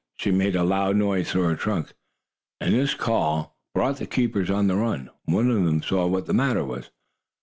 She made a loud noise through her trunk, and this call brought the keepers on the run. One of them saw what the matter was.